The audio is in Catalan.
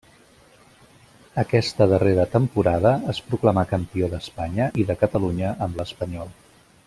Aquesta darrera temporada es proclamà campió d'Espanya i de Catalunya amb l'Espanyol.